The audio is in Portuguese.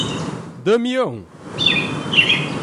Damião